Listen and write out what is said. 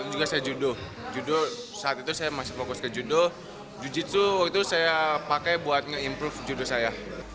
jiu jitsu itu saya pakai buat nge improve judo saya